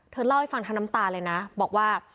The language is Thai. เธอเล่าให้ฟังทางน้ำตาเลยนะ